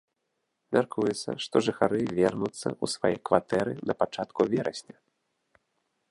Мяркуецца, што жыхары вернуцца ў свае кватэры на пачатку верасня.